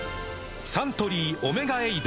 サントリー「オメガエイド」